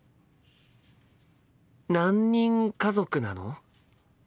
何人家族なの？